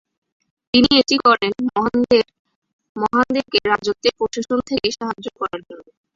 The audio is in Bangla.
তিনি এটি করেন মহানদেরকে রাজত্বের প্রশাসন থেকে সাহায্য করার জন্য।